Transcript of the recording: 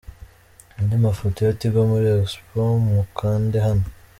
Andi mafoto ya Tigo muri Expo, mukande hano.